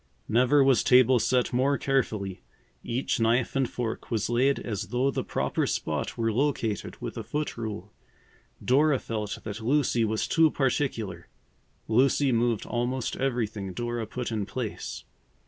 Never was table set more carefully. Each knife and fork was laid as though the proper spot were located with a foot rule. Dora felt that Lucy was too particular. Lucy moved almost everything Dora put in place.